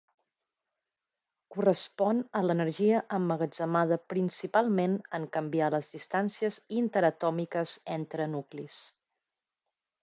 Correspon a l'energia emmagatzemada principalment en canviar les distàncies interatòmiques entre nuclis.